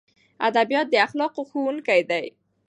ادبیات د اخلاقو ښوونکي دي.